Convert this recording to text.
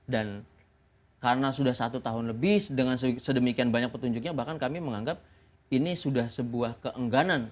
dan karena sudah satu tahun lebih dengan sedemikian banyak petunjuknya bahkan kami menganggap ini sudah sebuah keengganan